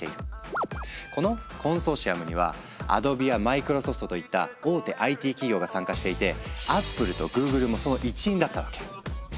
このコンソーシアムにはアドビやマイクロソフトといった大手ＩＴ企業が参加していてアップルとグーグルもその一員だったわけ。